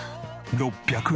「６００円！」